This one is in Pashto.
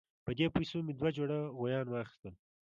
په دې پیسو مې دوه جوړه غویان واخیستل.